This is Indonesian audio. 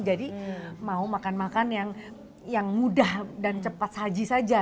mau makan makan yang mudah dan cepat haji saja